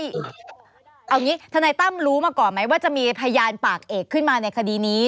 เอาอย่างนี้ทนายตั้มรู้มาก่อนไหมว่าจะมีพยานปากเอกขึ้นมาในคดีนี้